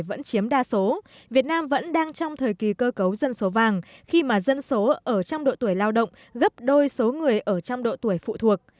vẫn chiếm đa số việt nam vẫn đang trong thời kỳ cơ cấu dân số vàng khi mà dân số ở trong độ tuổi lao động gấp đôi số người ở trong độ tuổi phụ thuộc